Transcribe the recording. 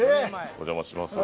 お邪魔します。